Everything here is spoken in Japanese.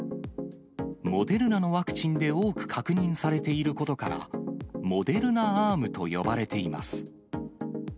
モデルナのワクチンで多く確認されていることから、モデルナアームと呼ばれています。